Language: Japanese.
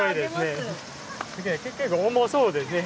結構重そうですね。